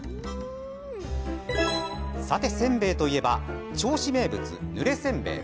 さて、せんべいといえば銚子名物、ぬれせんべい。